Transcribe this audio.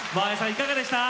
いかがでしたか？